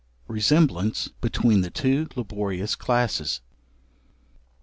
Resemblance between the two laborious classes.